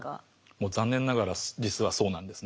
もう残念ながら実はそうなんですね。